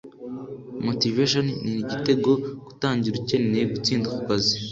Motivation nigitego-gutangira ukeneye gutsinda kukazi